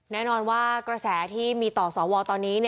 แน่นอนว่ากระแสที่มีต่อสวตอนนี้